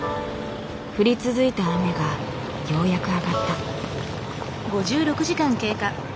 降り続いた雨がようやく上がった。